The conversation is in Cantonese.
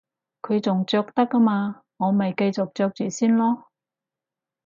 佢仲着得吖嘛，我咪繼續着住先囉